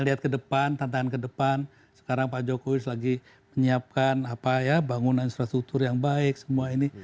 lihat ke depan tantangan ke depan sekarang pak jokowi lagi menyiapkan bangunan infrastruktur yang baik semua ini